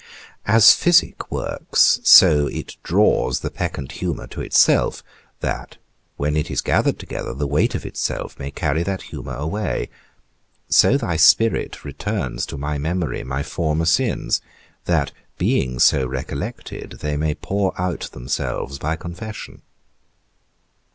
As physic works, so it draws the peccant humour to itself, that, when it is gathered together, the weight of itself may carry that humour away; so thy Spirit returns to my memory my former sins, that, being so recollected, they may pour out themselves by confession.